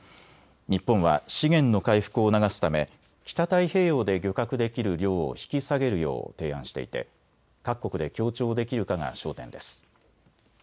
日本は資源の回復を促すため北太平洋で漁獲できる量を引き下げるよう提案していて各国で協調できるかが焦点です。